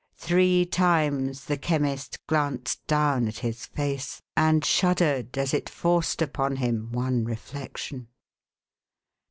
Three times the Chemist glanced down at his face, and shuddered as it forced upon him one reflection.